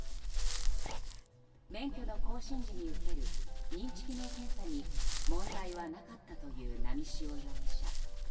免許の更新時に受ける認知機能検査に問題はなかったという波汐容疑者。